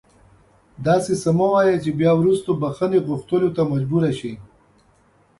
داسې څه مه وایه چې بیا وروسته بښنې غوښتلو ته مجبور شې